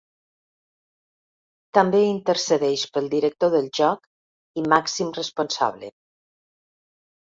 També intercedeix pel director del joc, i màxim responsable.